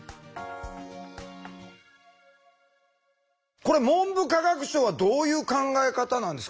これ文部科学省はどういう考え方なんですか？